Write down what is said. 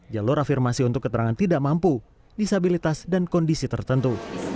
jalur afirmasi untuk keterangan tidak mampu disabilitas dan kondisi tertentu